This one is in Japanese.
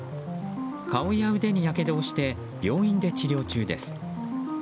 顔や腕にやけどをして病院で治療中です。